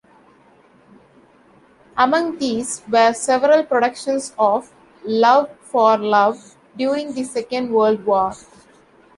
Among these were several productions of "Love for Love" during the Second World War.